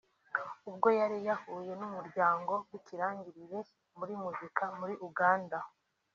ubwo yari yahuye n’umuryango w’ikirangirire muri muzika muri Uganda